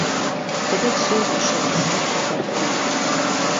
دەبێت زۆر وشە و ڕستە لەبەر بکەم.